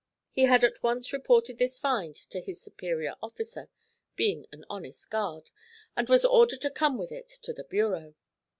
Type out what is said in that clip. He had at once reported this find to his superior officer, being an honest guard, and was ordered to come with it to the bureau.